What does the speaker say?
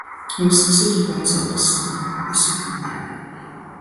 He was succeeded by his eldest son, the second Baron.